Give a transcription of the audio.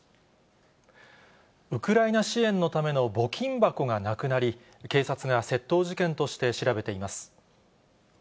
ウクライナ支援のための募金箱がなくなり、警察が窃盗事件として調べています。